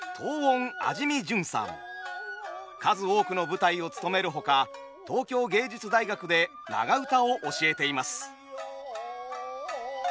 数多くの舞台をつとめるほか東京藝術大学で長唄を教えています。